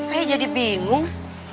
aya jadi bingung